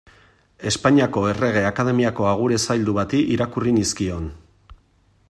Espainiako Errege Akademiako agure zaildu bati irakurri nizkion.